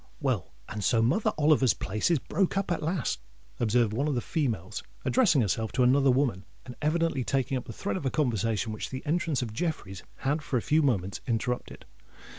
"Well, and so Mother Oliver's place is broke up at last," observed one of the females, addressing herself to another woman, and evidently taking up the thread of a conversation which the entrance of Jeffreys had for a few moments interrupted.